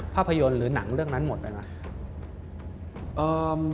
ภาพยนตร์หรือหนังเรื่องนั้นหมดไปไหม